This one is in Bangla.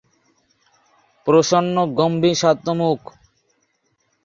প্রসন্ন গম্ভীর শান্ত মুখ।